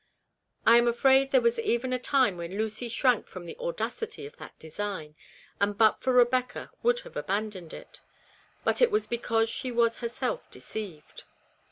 I am afraid there was even a time when Lucy shrank from the audacity of that design, and but for Rebecca would have abandoned it ; but it was because she was herself deceived.